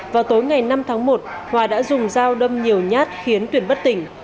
vào tối ngày năm tháng một hòa đã dùng dao đâm nhiều nhát khiến tuyển bất tỉnh